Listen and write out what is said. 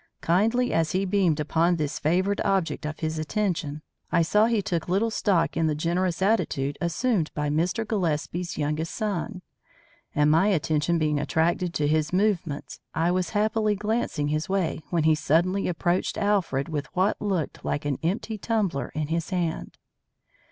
Kindly as he beamed upon this favoured object of his attention, I saw that he took little stock in the generous attitude assumed by Mr. Gillespie's youngest son; and my attention being attracted to his movements, I was happily glancing his way when he suddenly approached Alfred with what looked like an empty tumbler in his hand.